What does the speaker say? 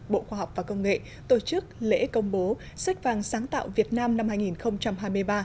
bộ khoa học và công nghệ tổ chức lễ công bố sách vàng sáng tạo việt nam năm hai nghìn hai mươi ba